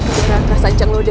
kebenaran perasaan cang loday